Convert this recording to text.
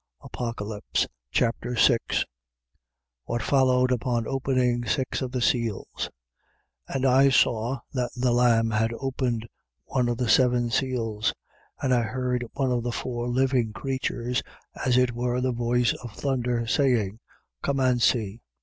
Apocalypse Chapter 6 What followed upon opening six of the seals. 6:1. And I saw that the Lamb had opened one of the seven seals: and I heard one of the four living creatures, as it were the voice of thunder, saying: Come and see.